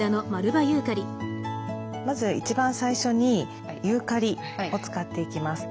まず一番最初にユーカリを使っていきます。